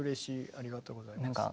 ありがとうございます。